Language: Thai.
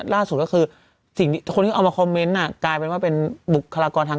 ล่าสุดก็คือสิ่งที่คนที่เอามาคอมเมนต์กลายเป็นว่าเป็นบุคลากรทาง